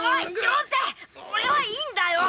俺はいいんだよ！